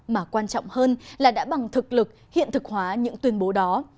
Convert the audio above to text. mà quan trọng hơn là đã bằng thực lực hiện thực hóa những tuyên bố đó